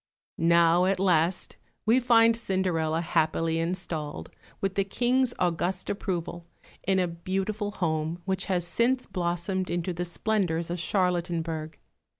Now at last we find Cinderella happily installed, with the King's august approval, in a beautiful home which has since blossomed into the splendours of Charlottenburg.